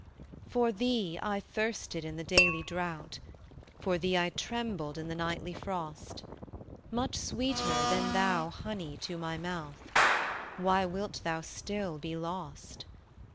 For thee I thirsted in the daily drouth, For thee I trembled in the nightly frost: Much sweeter thou than honey to My mouth: Why wilt thou still be lost?